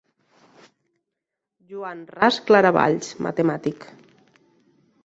Joan Ras Claravalls, matemàtic.